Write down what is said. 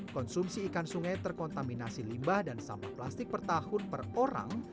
konsumsi ikan sungai terkontaminasi limbah dan sampah plastik per tahun per orang